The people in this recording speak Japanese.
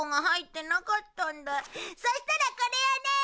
そしたらこれをね。